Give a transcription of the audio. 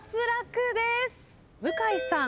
向井さん。